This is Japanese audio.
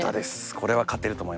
これは勝てると思います。